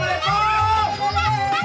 ya allah bongsor banget